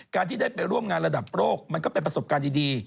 การที่ได้ไปร่วมงานระดับโลกมันก็เป็นประสบการณ์ดี